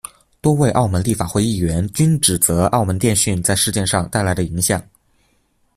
多位澳门立法会议员均指责澳门电讯在事件上带来的影响。